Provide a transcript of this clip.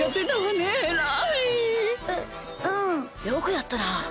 よくやったな！